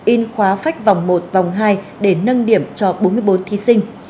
in khóa phách vòng một vòng hai để nâng điểm cho bốn mươi bốn thí sinh